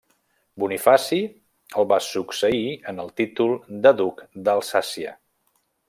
Bonifaci el va succeir en el títol de duc d'Alsàcia.